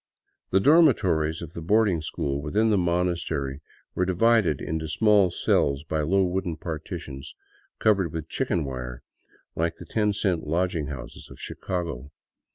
The dormi tories of the boarding school within the monastery were divided into small cells by low wooden partitions covered with chicken wire, like the ten cent lodging houses of Chicago.